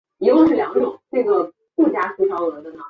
红点梯形蟹为扇蟹科梯形蟹属的动物。